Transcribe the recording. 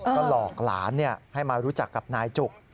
ก็หลอกหลานให้มารู้จักกับนายจุก